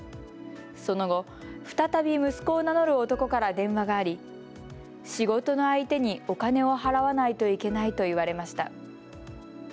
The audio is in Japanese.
その後、再び息子を名乗る男から電話があり仕事の相手にお金を払わないといけないと言われました。